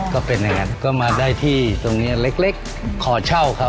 ก็เป็นอย่างนั้นก็มาได้ที่ตรงนี้เล็กขอเช่าเขา